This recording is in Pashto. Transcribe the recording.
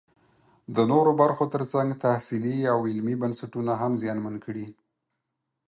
د نورو برخو ترڅنګ تحصیلي او علمي بنسټونه هم زیانمن کړي